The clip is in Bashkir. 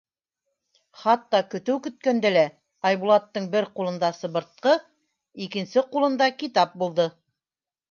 Хатта көтөү көткәндә лә Айбулаттың бер ҡулында сыбыртҡы, икенсе ҡулында китап булды.